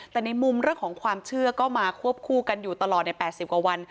แต่ในมุมเรื่องของความเชื่อก็มาควบคู่กันอยู่ตลอดใน๘๐กว่าวัน